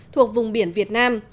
thuộc vùng biển việt nam